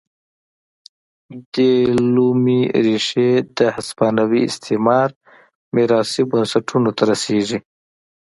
دې لومې ریښې د هسپانوي استعمار میراثي بنسټونو ته رسېږي.